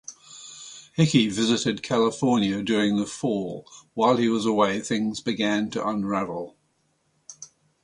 Hickey visited California during the fall; while he was away things began to unravel.